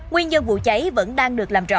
nguyên nhân vụ cháy vẫn đang được làm rõ